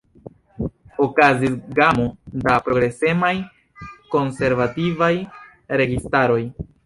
Okazis gamo da progresemaj konservativaj registaroj.